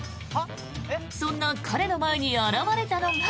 そんな彼の前に現れたのが。